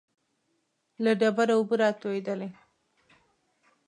له ډبرو اوبه را تويېدلې.